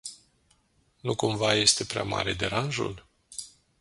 Nu cumva este prea mare deranjul?